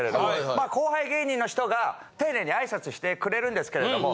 まあ後輩芸人の人が丁寧に挨拶してくれるんですけれども。